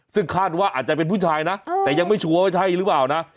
ซึ่งคาดว่าอาจจะเป็นผู้ชายนะแต่ยังไม่ชัวร์ว่าใช่หรือเปล่านะ